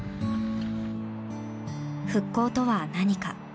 復興とは何か。